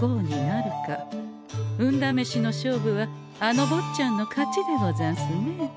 運だめしの勝負はあのぼっちゃんの勝ちでござんすね。